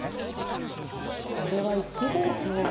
これは１五香が。